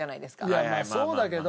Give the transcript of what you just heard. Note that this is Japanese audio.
いやまあそうだけど。